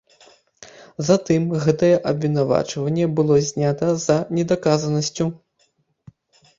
Затым гэтае абвінавачванне было знята за недаказанасцю.